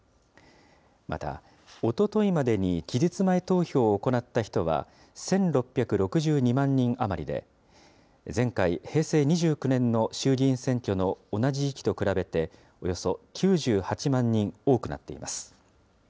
また、おとといまでに期日前投票を行った人は、１６６２万人余りで、前回・平成２９年の衆議院選挙の同じ時期と比べて、およそ９８万人多くなっています。